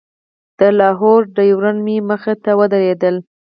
د لاهور ډریوران مې مخې ته ودرېدل.